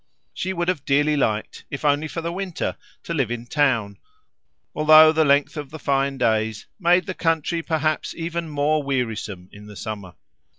She would have dearly liked, if only for the winter, to live in town, although the length of the fine days made the country perhaps even more wearisome in the summer.